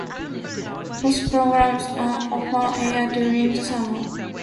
Both programmes are off-air during the summer.